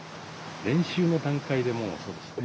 練習の段階でもうそうでしたね。